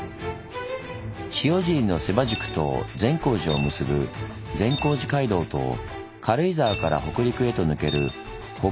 塩尻の洗馬宿と善光寺を結ぶ「善光寺街道」と軽井沢から北陸へと抜ける「北国街道」。